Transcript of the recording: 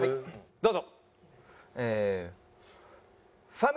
どうぞ！